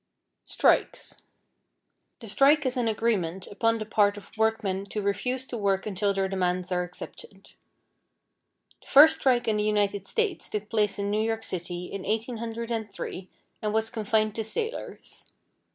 =Strikes.= The strike is an agreement upon the part of workmen to refuse to work until their demands are accepted. The first strike in the United States took place in New York City, in 1803, and was confined to sailors.